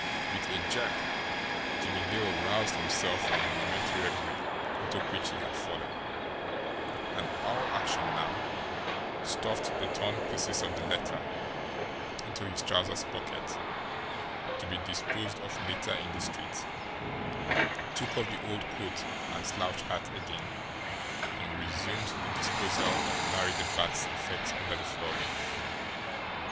With a jerk, Jimmie Dale roused himself from the momentary reverie into which he had fallen; and, all action now, stuffed the torn pieces of the letter into his trousers pocket to be disposed of later in the street; took off the old coat and slouch hat again, and resumed the disposal of Larry the Bat's effects under the flooring.